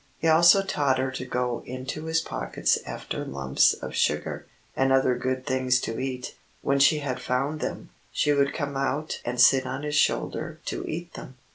He also taught her to go into his pockets after lumps of sugar, and other good things to eat. When she had found them, she would come out and sit on his shoulder to eat them.